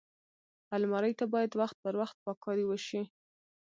الماري ته باید وخت پر وخت پاک کاری وشي